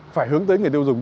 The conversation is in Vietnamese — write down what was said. phải hướng tới người tiêu dùng